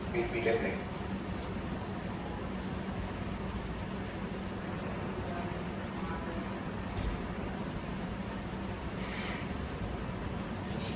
มีเรื่องหนึ่ง